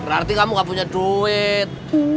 berarti kamu gak punya duit